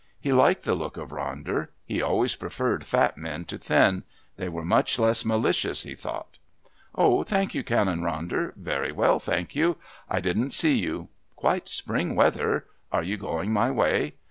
He liked the look of Ronder. He always preferred fat men to thin; they were much less malicious, he thought. "Oh, thank you, Canon Ronder very well, thank you. I didn't see you. Quite spring weather. Are you going my way?"